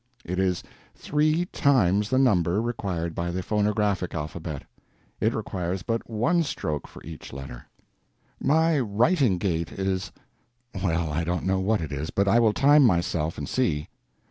It is three times the number required by the phonographic alphabet. It requires but _one _stroke for each letter. My writing gait is—well, I don't know what it is, but I will time myself and see.